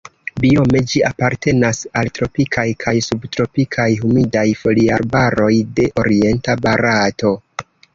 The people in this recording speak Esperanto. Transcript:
Biome ĝi apartenas al tropikaj kaj subtropikaj humidaj foliarbaroj de orienta Barato.